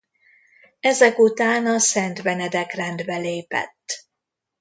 Ezek után a Szent Benedek-rendbe lépett.